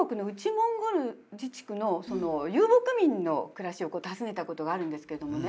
モンゴル自治区の遊牧民の暮らしを訪ねたことがあるんですけれどもね